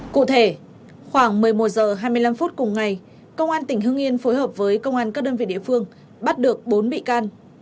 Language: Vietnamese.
cụ thể khoảng một mươi một h hai mươi năm phút cùng ngày công an tỉnh hưng yên phối hợp với công an các đơn vị địa phương bắt được bốn bị can